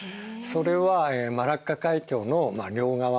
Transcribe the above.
それはマラッカ海峡の両側